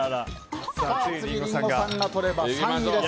次にリンゴさんがとれば３位です。